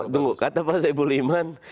tunggu kata pak soebul iman